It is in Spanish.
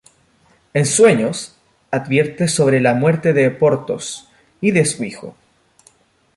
En sueños, advierte sobre la muerte de Porthos y de su hijo.